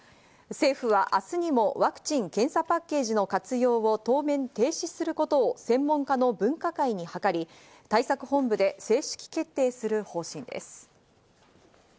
政府は明日にもワクチン・検査パッケージの活用を当面停止することを専門家の分科会に諮り、対策本部で正式決定する方針です。